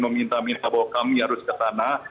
meminta minta bahwa kami harus ke sana